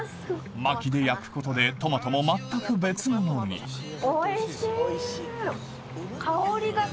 薪で焼くことでトマトも全く別物にうわ！